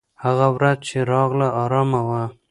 هغه ورځ چې راغله، ارامه وه.